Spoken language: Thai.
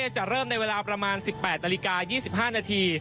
จะเริ่มในเวลาประมาณ๑๘นาฬิกา๒๕นาที